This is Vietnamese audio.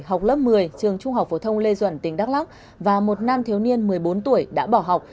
học lớp một mươi trường trung học phổ thông lê duẩn tỉnh đắk lắc và một nam thiếu niên một mươi bốn tuổi đã bỏ học